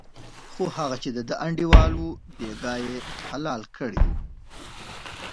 خو هغه چې دده انډیوال و بېګا یې حلال کړی و.